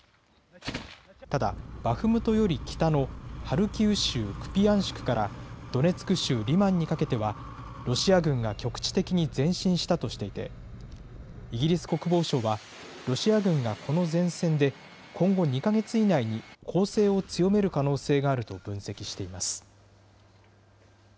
ただ、バフムトより北のハルキウ州クピヤンシクからドネツク州リマンにかけてはロシア軍が局地的に前進したとしていて、イギリス国防省はロシア軍がこの前線で今後２か月以内に、攻勢を強める可能性があると分析しています。